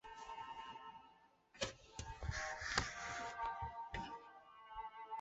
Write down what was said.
中华卫矛是卫矛科卫矛属的植物。